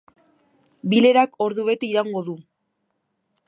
Bilerak ordu bete iraungo du.